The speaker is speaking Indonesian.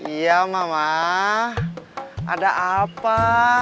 iya mama ada apa